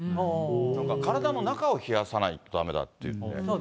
なんか体の中を冷やさないとだめだっていって。